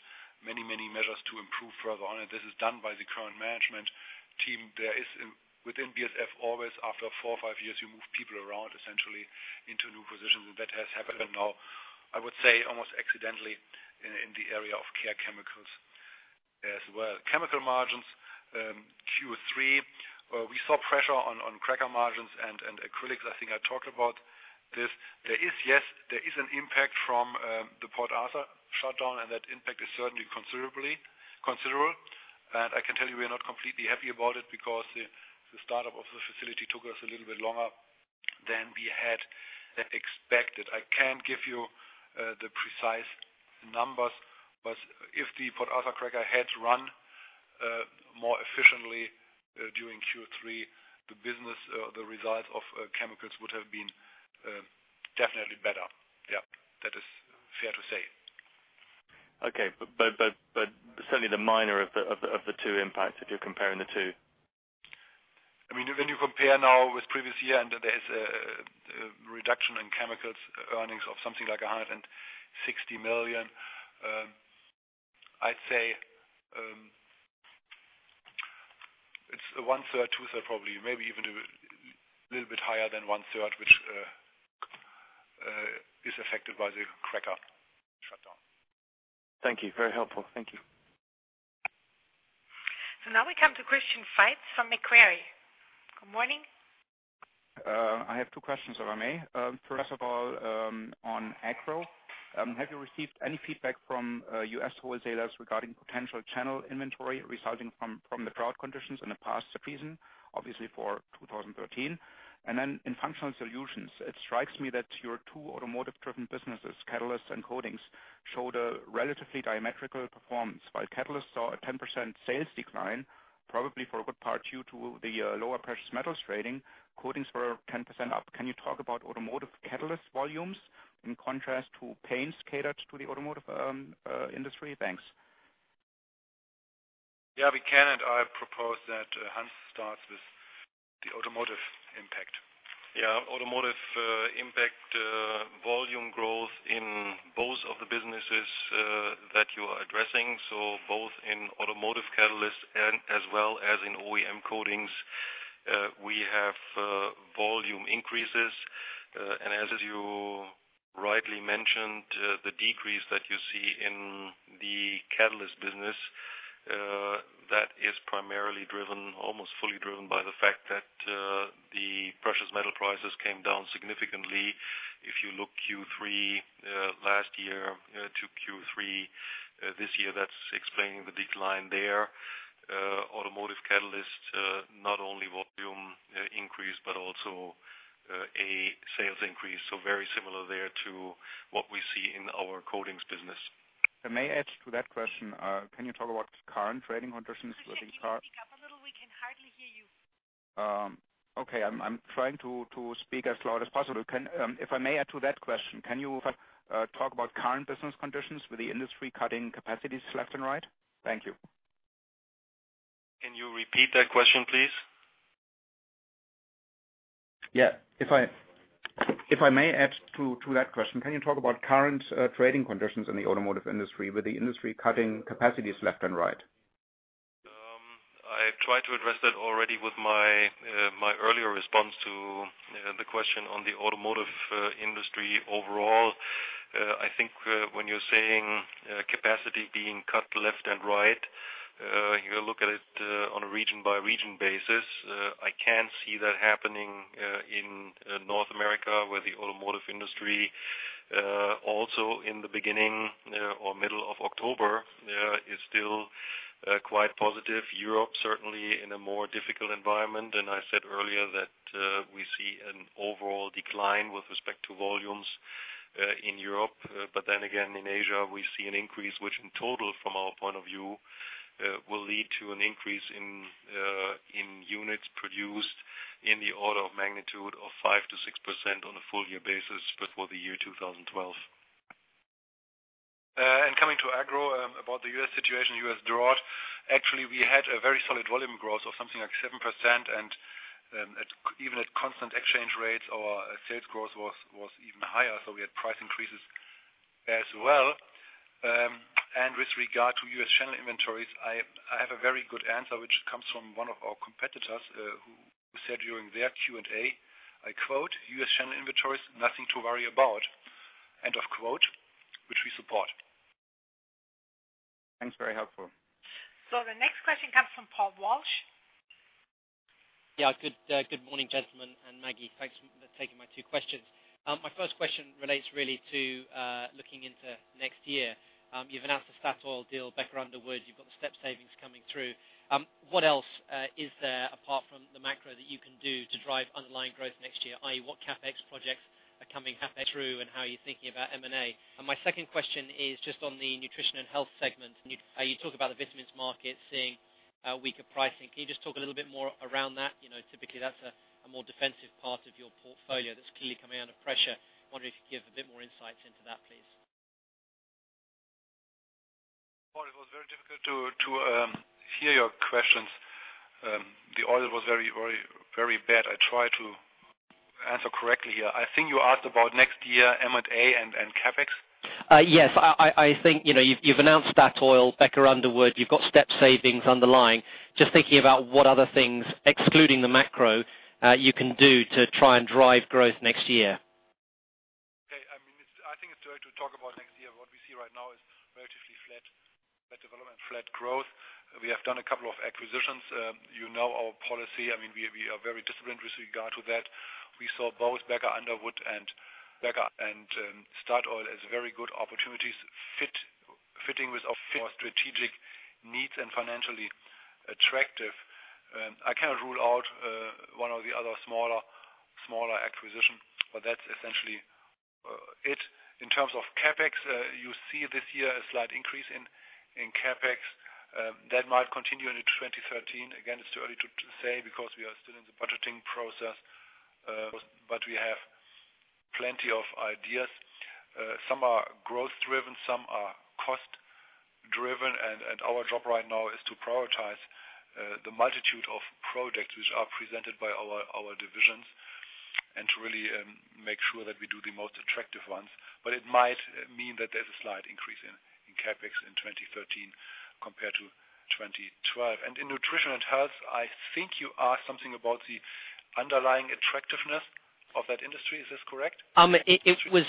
many measures to improve further on. This is done by the current management team. There is, within BASF always after four or five years, you move people around essentially into new positions. That has happened now, I would say almost accidentally in the area of Care Chemicals as well. Chemical margins, Q3, we saw pressure on cracker margins and acrylics. I think I talked about this. There is an impact from the Port Arthur shutdown, and that impact is certainly considerable. I can tell you we are not completely happy about it because the startup of the facility took us a little bit longer than we had expected. I can't give you the precise numbers, but if the Port Arthur cracker had run more efficiently during Q3, the business, the results of chemicals would have been definitely better. Yeah, that is fair to say. Okay. Certainly the minor of the two impacts, if you're comparing the two. I mean, when you compare now with previous year, and there's a reduction in chemicals earnings of something like 160 million, I'd say, it's one third, two third probably, maybe even a little bit higher than one third, which is affected by the cracker shutdown. Thank you. Very helpful. Thank you. Now we come to Christian Faitz from Macquarie. Good morning. I have two questions, if I may. First of all, on Agro. Have you received any feedback from U.S. wholesalers regarding potential channel inventory resulting from the drought conditions in the past season, obviously for 2013? In functional solutions, it strikes me that your two automotive-driven businesses, catalysts and coatings, showed a relatively diametrical performance. While catalysts saw a 10% sales decline, probably for a good part due to the lower precious metals trading, coatings were 10% up. Can you talk about automotive catalyst volumes in contrast to paints catered to the automotive industry? Thanks. Yeah, we can. I propose that Hans starts with the automotive impact. Automotive impact volume growth in both of the businesses that you are addressing. Both in automotive catalysts and as well as in OEM coatings, we have volume increases. As you rightly mentioned, the decrease that you see in the catalyst business that is primarily driven, almost fully driven by the fact that the precious metal prices came down significantly. If you look Q3 last year to Q3 this year, that's explaining the decline there. Automotive catalyst not only volume increased, but also a sales increase. Very similar there to what we see in our coatings business. If I may add to that question, can you talk about current trading conditions with the car- Christian, can you speak up a little? We can hardly hear you. Okay. I'm trying to speak as loud as possible. If I may add to that question, can you talk about current business conditions with the industry cutting capacities left and right? Thank you. Can you repeat that question, please? Yeah. If I may add to that question, can you talk about current trading conditions in the automotive industry with the industry cutting capacities left and right? I tried to address that already with my earlier response to the question on the automotive industry overall. I think when you're saying capacity being cut left and right, you look at it on a region-by-region basis. I can see that happening in North America, where the automotive industry also in the beginning or middle of October is still quite positive. Europe, certainly in a more difficult environment, and I said earlier that we see an overall decline with respect to volumes in Europe. Again, in Asia, we see an increase, which in total from our point of view, will lead to an increase in units produced in the order of magnitude of 5%-6% on a full year basis before the year 2012. Coming to Agro, about the U.S. situation, U.S. drought. Actually, we had a very solid volume growth of something like 7%, and even at constant exchange rates, our sales growth was even higher, so we had price increases as well. With regard to U.S. channel inventories, I have a very good answer, which comes from one of our competitors, who said during their Q&A, I quote, "U.S. channel inventories, nothing to worry about." End of quote, which we support. Thanks. Very helpful. The next question comes from Paul Walsh. Yeah. Good morning, gentlemen and Maggie. Thanks for taking my two questions. My first question relates really to looking into next year. You've announced the Statoil deal, Becker Underwood, you've got the STEP savings coming through. What else is there apart from the macro that you can do to drive underlying growth next year? I.e., what CapEx projects are coming through and how are you thinking about M&A? My second question is just on the nutrition and health segment. You talk about the vitamins market seeing weaker pricing. Can you just talk a little bit more around that? You know, typically that's a more defensive part of your portfolio that's clearly coming under pressure. I wonder if you could give a bit more insights into that, please. Paul, it was very difficult to hear your questions. The audio was very bad. I try to answer correctly here. I think you asked about next year, M&A and CapEx. Yes. I think, you know, you've announced Statoil, Becker Underwood. You've got STEP savings underlying. Just thinking about what other things, excluding the macro, you can do to try and drive growth next year. Okay. I mean, it's too early to talk about next year. What we see right now is relatively flat development, flat growth. We have done a couple of acquisitions. You know our policy. I mean, we are very disciplined with regard to that. We saw both Becker Underwood and Statoil as very good opportunities fitting with our strategic needs and financially attractive. I cannot rule out one or the other smaller acquisition, but that's essentially it. In terms of CapEx, you see this year a slight increase in CapEx. That might continue into 2013. Again, it's too early to say because we are still in the budgeting process. We have plenty of ideas. Some are growth driven, some are cost driven, and our job right now is to prioritize the multitude of projects which are presented by our divisions and to really make sure that we do the most attractive ones. But it might mean that there's a slight increase in CapEx in 2013 compared to 2012. In nutrition and health, I think you asked something about the underlying attractiveness of that industry, is this correct? It was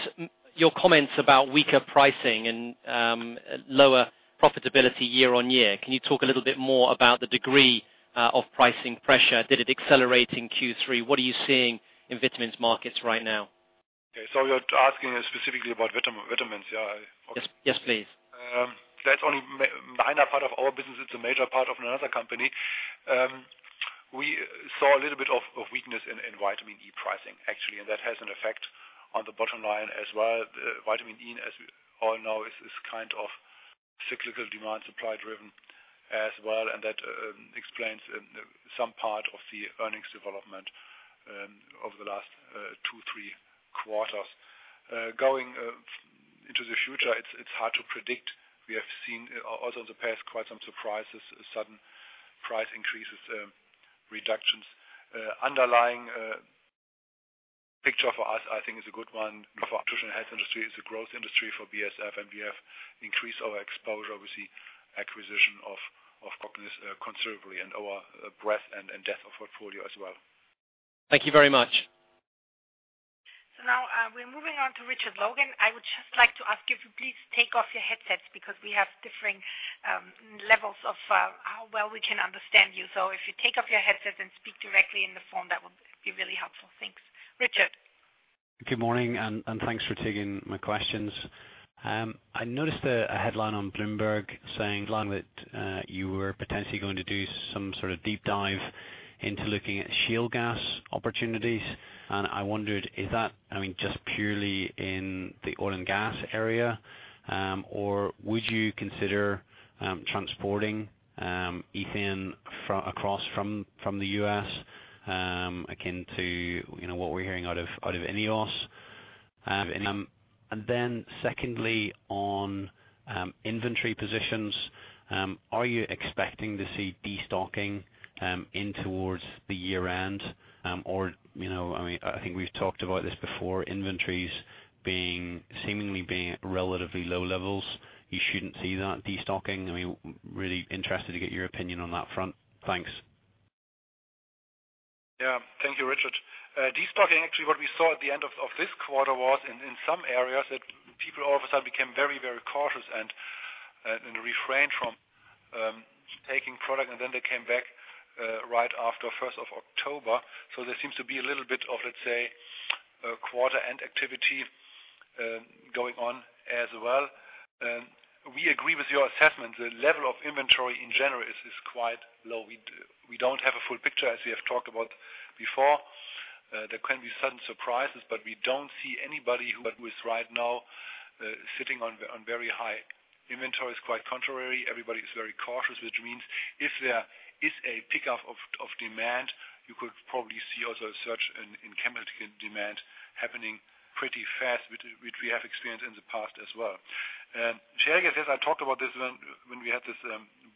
your comments about weaker pricing and lower profitability year-over-year. Can you talk a little bit more about the degree of pricing pressure? Did it accelerate in Q3? What are you seeing in vitamins markets right now? Okay. You're asking specifically about vitamins, yeah. Yes, yes please. That's only a minor part of our business. It's a major part of another company. We saw a little bit of weakness in vitamin D pricing actually, and that has an effect on the bottom line as well. Vitamin E, as we all know, is this kind of cyclical demand, supply-driven as well, and that explains some part of the earnings development over the last 2-3 quarters. Going into the future, it's hard to predict. We have seen also in the past quite some surprises, sudden price increases, reductions. Underlying picture for us I think is a good one. The nutrition and health industry is a growth industry for BASF, and we have increased our exposure with the acquisition of Cognis considerably and our breadth and depth of portfolio as well. Thank you very much. Now, we're moving on to Richard Logan. I would just like to ask you to please take off your headsets because we have differing levels of how well we can understand you. If you take off your headsets and speak directly in the phone, that would be really helpful. Thanks. Richard. Good morning, thanks for taking my questions. I noticed a headline on Bloomberg saying that you were potentially going to do some sort of deep dive into looking at shale gas opportunities. I wondered is that, I mean, just purely in the oil and gas area, or would you consider transporting ethane from across the U.S., akin to, you know, what we're hearing out of INEOS? And then secondly, on inventory positions, are you expecting to see destocking towards the year-end? Or, you know, I mean, I think we've talked about this before, inventories being seemingly at relatively low levels. You shouldn't see that destocking. I mean, really interested to get your opinion on that front. Thanks. Yeah. Thank you, Richard. Destocking, actually what we saw at the end of this quarter was in some areas that people all of a sudden became very, very cautious and refrained from taking product, and then they came back right after October 1. There seems to be a little bit of, let's say, quarter-end activity going on as well. We agree with your assessment. The level of inventory in general is quite low. We don't have a full picture as we have talked about before. There can be sudden surprises, but we don't see anybody who is right now sitting on very high inventories, quite contrary. Everybody is very cautious, which means if there is a pickup of demand, you could probably see also a surge in chemical demand happening pretty fast, which we have experienced in the past as well. Shale gas, as I talked about this when we had this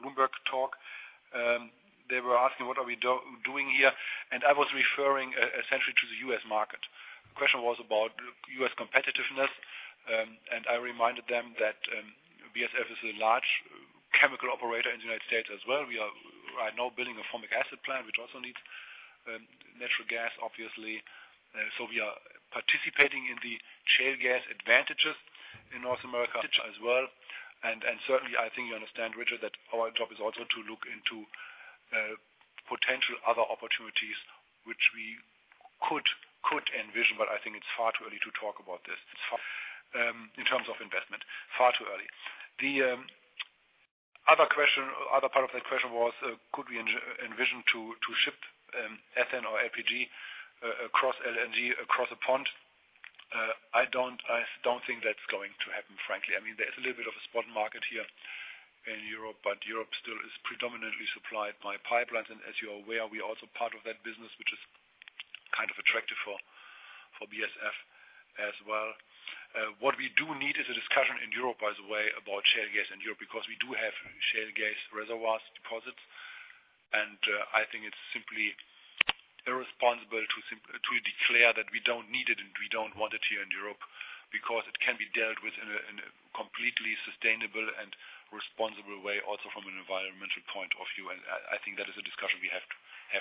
Bloomberg talk, they were asking what are we doing here, and I was referring essentially to the U.S. market. The question was about U.S. competitiveness, and I reminded them that BASF is a large chemical operator in the United States as well. We are right now building a formic acid plant, which also needs natural gas, obviously. So we are participating in the shale gas advantages in North America as well. Certainly, I think you understand, Richard, that our job is also to look into potential other opportunities which we could envision, but I think it's far too early to talk about this. It's far too early in terms of investment. The other question, other part of that question was could we envision to ship ethane or LPG or LNG across the pond? I don't think that's going to happen, frankly. I mean, there's a little bit of a spot market here in Europe, but Europe still is predominantly supplied by pipelines. As you are aware, we are also part of that business, which is kind of attractive for BASF as well. What we do need is a discussion in Europe, by the way, about shale gas in Europe because we do have shale gas reservoirs deposits, and I think it's simply irresponsible to declare that we don't need it and we don't want it here in Europe because it can be dealt with in a completely sustainable and responsible way also from an environmental point of view. I think that is a discussion we have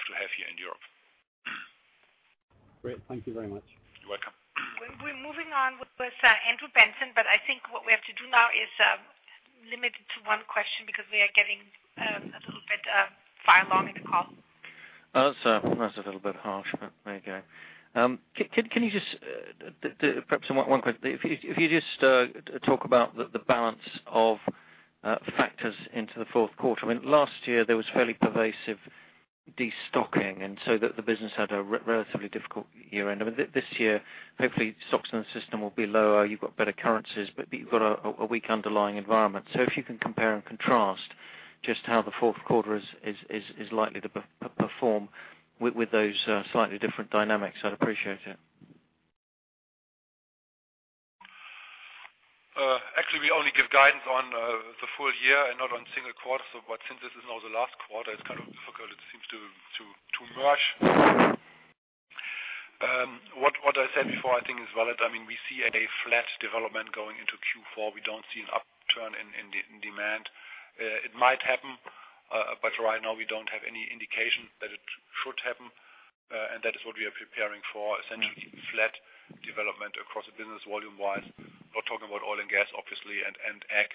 to have here in Europe. Great. Thank you very much. You're welcome. We're moving on with Andrew Benson, but I think what we have to do now is limit it to one question because we are getting a little bit far along in the call. That's a little bit harsh, but there you go. Can you just, perhaps one quick thing. If you just talk about the balance of factors into the Q4. I mean, last year there was fairly pervasive destocking, and so the business had a relatively difficult year-end. I mean, this year, hopefully, stocks in the system will be lower. You've got better currencies, but you've got a weak underlying environment. If you can compare and contrast just how the Q4 is likely to perform with those slightly different dynamics, I'd appreciate it. Actually, we only give guidance on the full year and not on single quarters. Since this is now the last quarter, it's kind of difficult. It seems to merge. What I said before I think is valid. I mean, we see a flat development going into Q4. We don't see an upturn in demand. It might happen, but right now we don't have any indication that it should happen, and that is what we are preparing for, essentially flat development across the business volume-wise. We're talking about oil and gas obviously, and ag.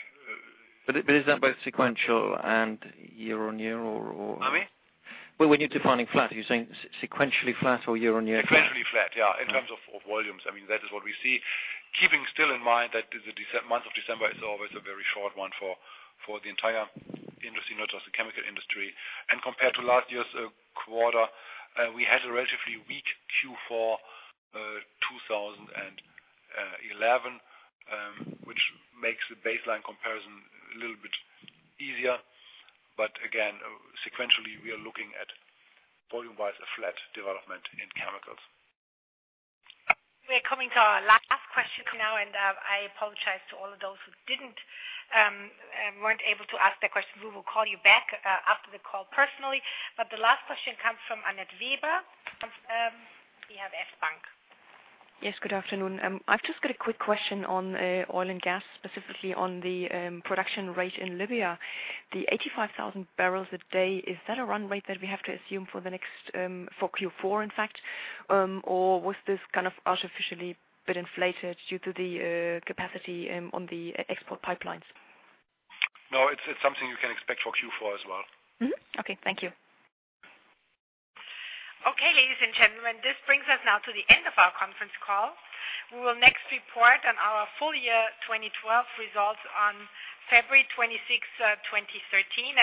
Is that both sequential and year-over-year or? Pardon me? Well, when you're defining flat, are you saying sequentially flat or year-on-year flat? Sequentially flat, yeah. In terms of volumes. I mean, that is what we see. Keeping still in mind that the month of December is always a very short one for the entire industry, not just the chemical industry. Compared to last year's quarter, we had a relatively weak Q4, 2011, which makes the baseline comparison a little bit easier. Again, sequentially, we are looking at volume-wise a flat development in chemicals. We're coming to our last question now, and I apologize to all of those who weren't able to ask their questions. We will call you back after the call personally. The last question comes from Anette Weber of DZ Bank. Yes, good afternoon. I've just got a quick question on oil and gas, specifically on the production rate in Libya. The 85,000 barrels a day, is that a run rate that we have to assume for the next for Q4, in fact? Or was this kind of artificially a bit inflated due to the capacity on the export pipelines? No, it's something you can expect for Q4 as well. Mm-hmm. Okay, thank you. Okay, ladies and gentlemen, this brings us now to the end of our conference call. We will next report on our full year 2012 results on February 26, 2013.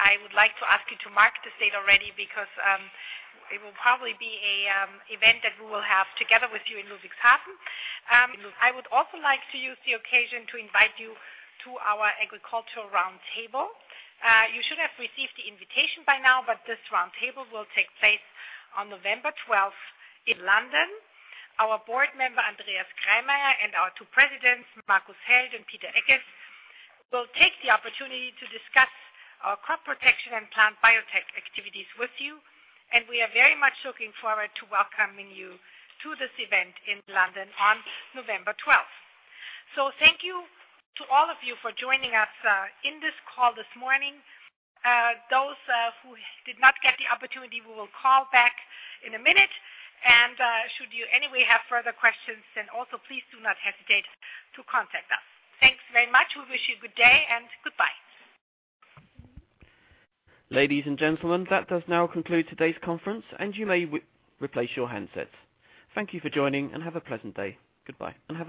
I would like to ask you to mark this date already because it will probably be a event that we will have together with you in Ludwigshafen. I would also like to use the occasion to invite you to our agricultural round table. You should have received the invitation by now, but this round table will take place on November 12 in London. Our board member, Andreas Kreimeyer, and our two presidents, Markus Heldt and Peter Eckes, will take the opportunity to discuss our crop protection and plant biotech activities with you, and we are very much looking forward to welcoming you to this event in London on November 12. Thank you to all of you for joining us in this call this morning. Those who did not get the opportunity, we will call back in a minute. Should you anyway have further questions, then also please do not hesitate to contact us. Thanks very much. We wish you good day and goodbye. Ladies and gentlemen, that does now conclude today's conference, and you may replace your handsets. Thank you for joining, and have a pleasant day. Goodbye, and have a great day.